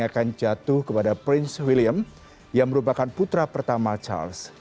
akan jatuh kepada prince william yang merupakan putra pertama charles